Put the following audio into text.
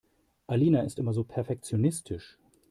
Alina ist immer so perfektionistisch.